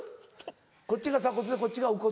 こっちが「さ骨」でこっちが「う骨」？